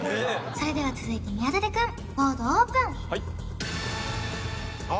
それでは続いて宮舘くんボードオープンはい・ああ！